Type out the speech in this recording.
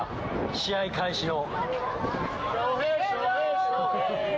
試合開始の。